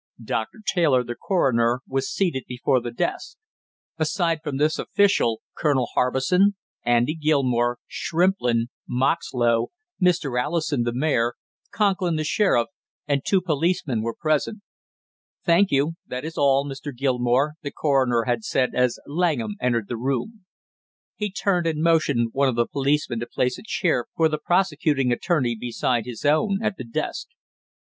Doctor Taylor the coroner was seated before the desk; aside from this official Colonel Harbison, Andy Gilmore, Shrimplin, Moxlow, Mr. Allison, the mayor, Conklin, the sheriff, and two policemen were present. "Thank you, that is all, Mr. Gilmore," the coroner had said as Langham entered the room. He turned and motioned one of the policemen to place a chair for the prosecuting attorney beside his own at the desk.